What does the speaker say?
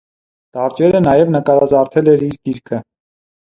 Դարջերը նաև նկարազարդել էր իր գիրքը։